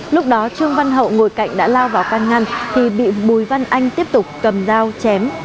lúc đó trương văn hậu ngồi cạnh đã lao vào căn ngăn thì bị bùi văn anh tiếp tục cầm dao chém